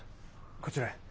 こちらへ。